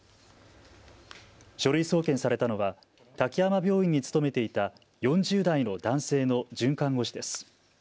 書類送検されたのは滝山病院に勤めていた４０代の男性の准看護師です。